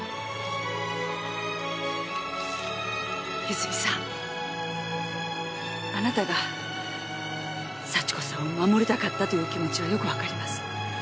泉さんあなたが幸子さんを守りたかったという気持ちはよくわかります。